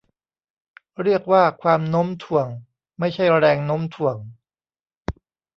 เรียกว่าความโน้มถ่วง ไม่ใช่แรงโน้มถ่วง